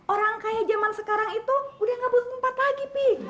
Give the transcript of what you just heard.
orang kaya zaman sekarang itu udah gak butuh tempat lagi pi